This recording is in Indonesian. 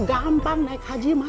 gampang naik haji mas